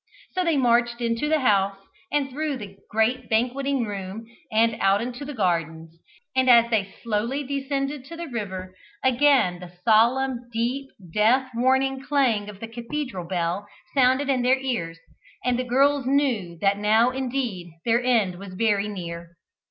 So they marched into the house and through the great banqueting room, and out into the gardens, and as they slowly descended to the river, again the solemn deep death warning clang of the cathedral bell sounded in their ears, and the girls knew that now indeed their end was very near.